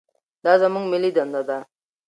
دا زموږ ملي دنده ده.